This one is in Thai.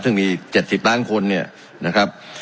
ซึ่งมี๗๐ล้านคนเนี่ยนะครับ